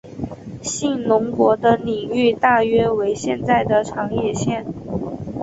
信浓国的领域大约为现在的长野县。